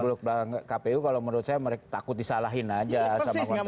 beluk belakang kpu kalau menurut saya takut disalahin aja sama konteksnya